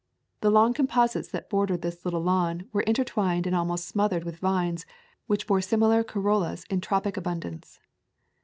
The long com posites that bordered this little lawn were en twined and almost smothered with vines which bore similar corollas in tropic abundance.